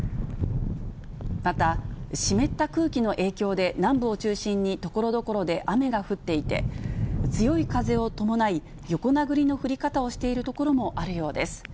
また、湿った空気の影響で、南部を中心にところどころで雨が降っていて、強い風を伴い、横殴りの降り方をしている所もあるようです。